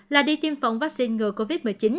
là đi tiêm phòng vaccine ngừa covid một mươi chín